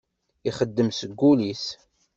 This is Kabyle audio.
Ixeddem seg wul-is.